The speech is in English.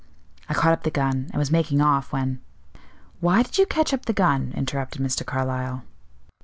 I caught up the gun, and was making off, when " "Why did you catch up the gun?" interrupted Mr. Carlyle.